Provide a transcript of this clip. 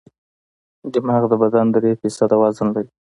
دماغ د بدن درې فیصده وزن لري.